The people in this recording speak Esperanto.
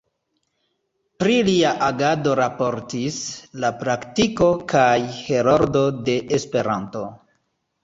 Pri lia agado raportis „La Praktiko“ kaj „Heroldo de Esperanto“.